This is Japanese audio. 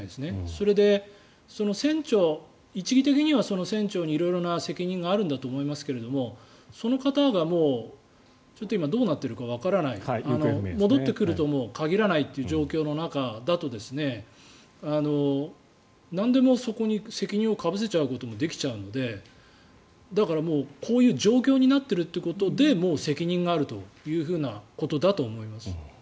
それで、船長一義的には船長に色々な責任があると思うんですけどその方がどうなっているかわからない戻ってくるとも限らないという状況の中だと何でもそこに責任をかぶせちゃうこともできちゃうのでだから、こういう状況になっているってことでもう責任があるということだと思います。